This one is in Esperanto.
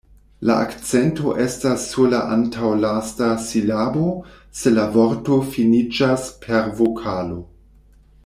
La akcento estas sur la antaŭlasta silabo, se la vorto finiĝas per vokalo.